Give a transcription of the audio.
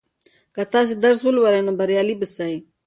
که تاسې درس ولولئ نو بریالي به سئ.